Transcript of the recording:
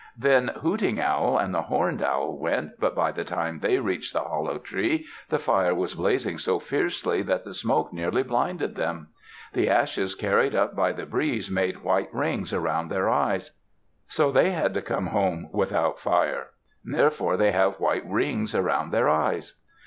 Then Hooting Owl and the Horned Owl went, but by the time they reached the hollow tree, the fire was blazing so fiercely that the smoke nearly blinded them. The ashes carried up by the breeze made white rings around their eyes. So they had to come home without fire. Therefore they have white rings around their eyes.